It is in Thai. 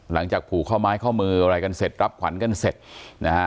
ผูกข้อไม้ข้อมืออะไรกันเสร็จรับขวัญกันเสร็จนะฮะ